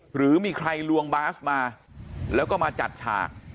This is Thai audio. หรือมีใครลวงบาสมาแล้วก็มาจัดฉาก